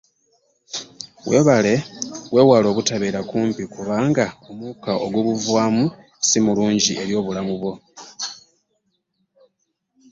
Weewale obutabeera kumpi, kubanga omukka ogubuvaamu si mulungi eri obulamu bwo.